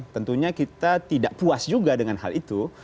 tentunya kita tidak puas juga dengan hal itu